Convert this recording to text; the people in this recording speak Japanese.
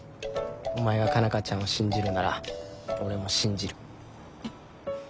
お前が佳奈花ちゃんを信じるなら俺も信じる。